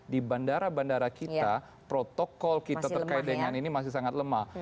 di bandara bandara kita protokol kita terkait dengan ini masih sangat lemah